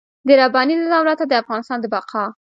د رباني نظام راته د افغانستان د بقا.